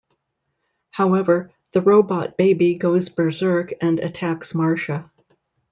However, the robot baby goes berserk and attacks Marcia.